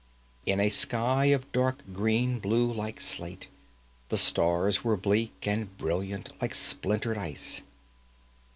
In a sky of dark green blue like slate the stars were bleak and brilliant like splintered ice.